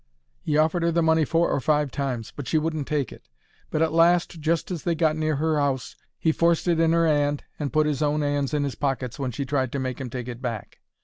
He offered 'er the money four or five times, but she wouldn't take it, but at last just as they got near her 'ouse he forced it in her 'and, and put his own 'ands in his pockets when she tried to make 'im take it back.